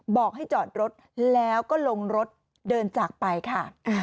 บอกให้จอดรถแล้วก็ลงรถเดินจากไปค่ะ